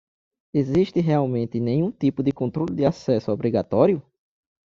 Existe realmente nenhum tipo de controle de acesso obrigatório?